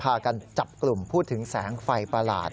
พากันจับกลุ่มพูดถึงแสงไฟประหลาด